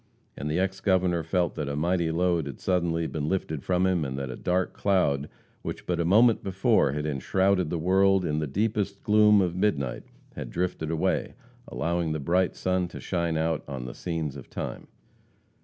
And the ex Governor felt that a mighty load had suddenly been lifted from him, and that a dark cloud, which but a moment before had enshrouded the world in the deepest gloom of midnight, had drifted away, allowing the bright sun to shine out on the scenes of time.